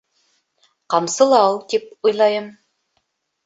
Ҡамсылау, тип уйлайым.